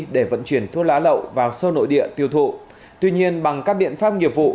để vận chuyển thuốc lá lậu vào sơ nội địa tiêu thụ tuy nhiên bằng các biện pháp nghiệp vụ